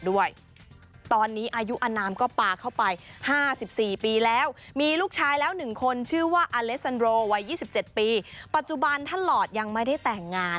วัย๒๗ปีปัจจุบันท่านลอร์ดยังไม่ได้แต่งงาน